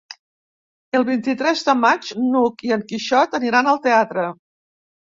El vint-i-tres de maig n'Hug i en Quixot aniran al teatre.